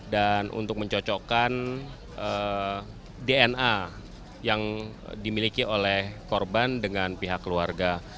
dan untuk mencocokkan dna yang dimiliki oleh korban dengan pihak keluarga